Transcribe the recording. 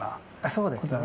そうですね。